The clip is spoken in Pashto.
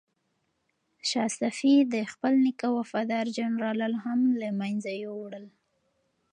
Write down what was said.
شاه صفي د خپل نیکه وفادار جنرالان هم له منځه یووړل.